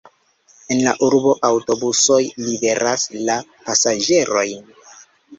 En la urbo aŭtobusoj liveras la pasaĝerojn.